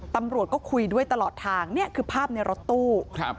ตำรวจก็คุยด้วยตลอดทางนี่คือภาพในรถตู้ครับ